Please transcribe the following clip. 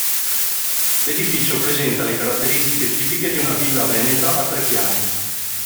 L'edificio presenta le caratteristiche tipiche di una villa veneta a tre piani.